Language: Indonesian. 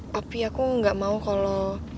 papi aku gak mau kalo